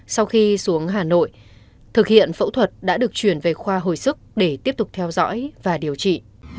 sau khi xuống hà nội thực hiện phẫu thuật đã được chuyển về khoa hồi sức để tiếp tục theo dõi và điều trị